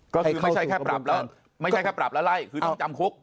ก็คือไม่ใช่แค่ปรับแล้วไล่คือต้องจำคุก